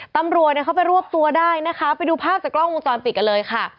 ตำรวจเข้าไปรวบตัวได้นะคะไปดูภาพจากกล้องมุมตอนปิดกันเลยค่ะ